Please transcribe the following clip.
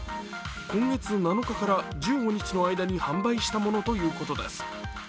今月７日から１５日の間に販売したものということです。